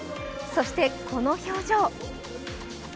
そして、この表情！